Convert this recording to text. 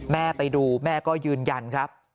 ไปดูแม่ก็ยืนยันครับ